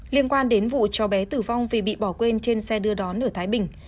liên quan đến vụ cho bé tử vong vì bị bỏ quên trên xe đưa đón ở thái bình